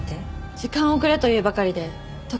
「時間をくれ」と言うばかりで特には何も。